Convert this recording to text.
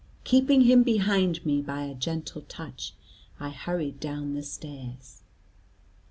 Keeping him behind me by a gentle touch, I hurried down the stairs.